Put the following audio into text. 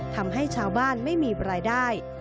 ทำให้ชาวบ้านไม่มีรายได้